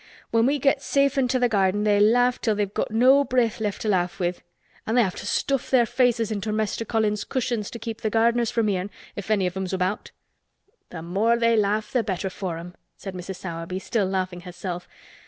When we get safe into the garden they laugh till they've no breath left to laugh with. An' they have to stuff their faces into Mester Colin's cushions to keep the gardeners from hearin', if any of, 'em's about." "Th' more they laugh th' better for 'em!" said Mrs. Sowerby, still laughing herself.